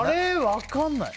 分かんない。